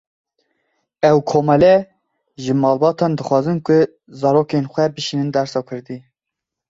Ew komele ji malbatan dixwazin ku zarokên xwe bişînin dersa Kurdî.